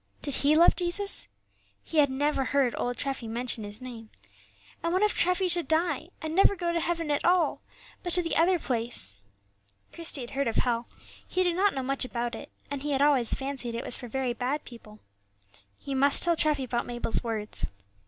Did he love Jesus? He had never heard old Treffy mention His name; and what if Treffy should die, and never go to heaven at all, but go to the other place! Christie had heard of hell; he did not know much about it, and he had always fancied it was for very bad people. He must tell Treffy about Mabel's words.